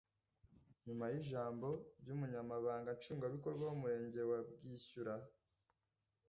nyuma y’ijambo ry’umunyamabanga nshingwabikorwa w’umurenge wa bwishyura,